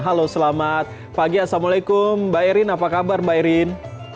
halo selamat pagi assalamualaikum mbak erin apa kabar mbak erin